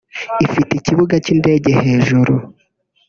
Ifite ikibuga cy’indege hejuru